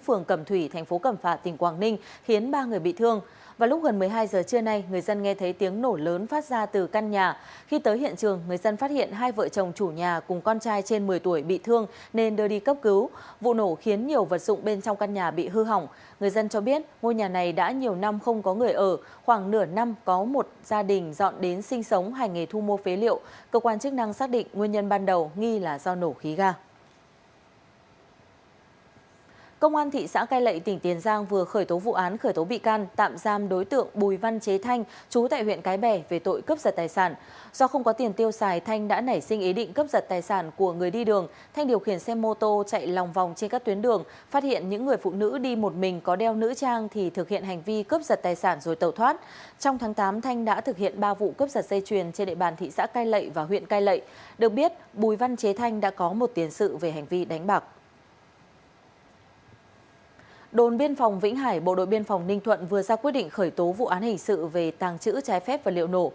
phòng vĩnh hải bộ đội biên phòng ninh thuận vừa ra quyết định khởi tố vụ án hình sự về tàng trữ trái phép vật liệu nổ